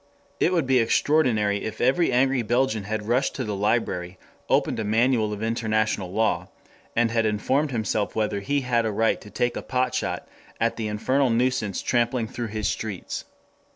It would be extraordinary if every angry Belgian had rushed to the library, opened a manual of international law, and had informed himself whether he had a right to take potshot at the infernal nuisance tramping through his streets.